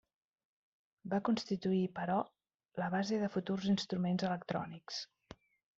Va constituir, però, la base de futurs instruments electrònics.